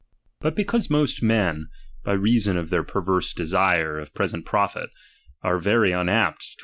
But because most men, by reason of their nioiam — B terverse desire of present profit, are very unapt to i